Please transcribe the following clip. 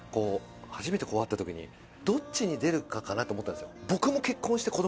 初めて会った時にどっちに出るかかなと思ったんですよ。とか。